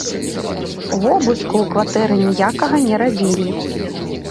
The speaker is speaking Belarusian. Вобыску ў кватэры ніякага не рабілі.